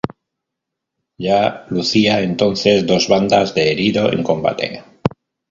Ya lucía entonces dos bandas de herido en combate.